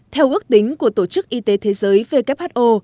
theo ước tính của tổ chức y tế thế giới who